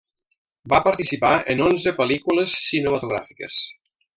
Va participar en onze pel·lícules cinematogràfiques.